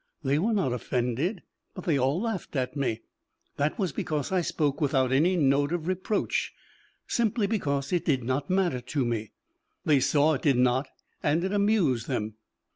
They were not offended, but they all laughed at me. That was because I spoke without any note of reproach, simply because it did not matter to me. They saw it did not, and it amused them.